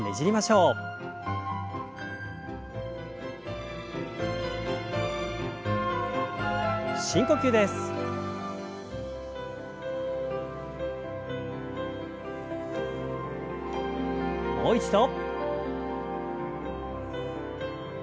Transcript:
もう一度。